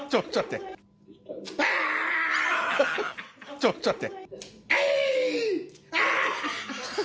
ちょっと待って。